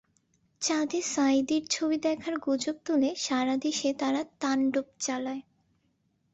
চাঁদে সাঈদীর ছবি দেখার গুজব তুলে সারা দেশে তারা তাণ্ডব চালায়।